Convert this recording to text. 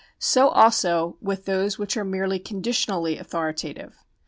So also with those which are merely conditionally authoritative.